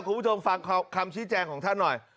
คุณผู้ชมฟังคำชี้แจงของท่านหน่อย